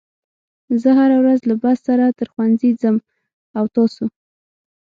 زه هره ورځ له بس سره تر ښوونځي ځم او تاسو